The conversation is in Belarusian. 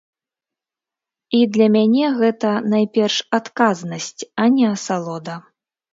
І для мяне гэта найперш адказнасць, а не асалода.